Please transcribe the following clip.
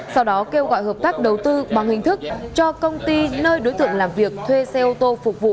sau đó kêu gọi hợp tác đầu tư bằng hình thức cho công ty nơi đối tượng làm việc thuê xe ô tô phục vụ